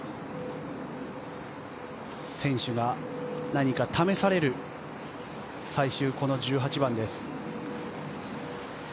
選手が何か試されるこの最終１８番です。